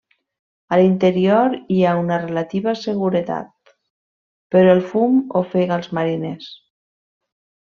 A l'interior hi ha una relativa seguretat, però el fum ofega als mariners.